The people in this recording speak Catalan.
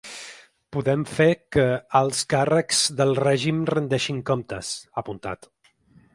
“Podem fer que alts càrrecs del règim rendeixin comptes”, ha apuntat.